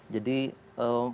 jadi pemerintah bisa menyetujui